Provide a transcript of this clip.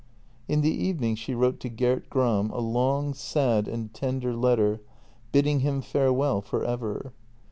In the evening she wrote to Gert Gram a long, sad and tender letter bidding him farewell for ever.